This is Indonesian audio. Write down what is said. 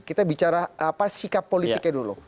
kita bicara sikap politiknya dulu